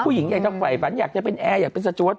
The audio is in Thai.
ผู้หญิงอยากจะต้องไหวฝันอยากจะเป็นแอร์อยากจะเป็นศัตรูวะ